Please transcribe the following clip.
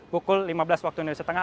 pukul lima belas waktu indonesia tengah